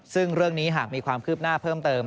ซึ่งเรื่องนี้หากมีความคืบหน้าเพิ่มเติม